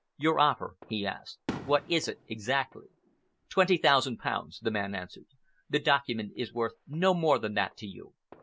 "Your offer," he asked, "what is it exactly?" "Twenty thousand pounds," the man answered. "The document is worth no more than that to you.